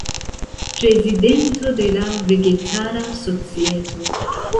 Prezidento de la Vegetara Societo.